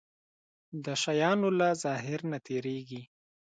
د شيانو له ظاهر نه تېرېږي.